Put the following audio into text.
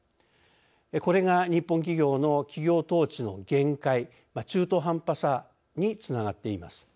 これが日本企業の企業統治の限界中途半端さにつながっています。